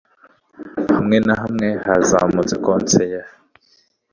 Hamwe na hamwe hazamutse Konseye